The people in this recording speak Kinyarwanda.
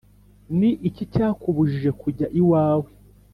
Ni iki cyakubujije kujya iwawe?